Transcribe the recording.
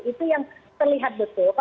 itu yang terlihat betul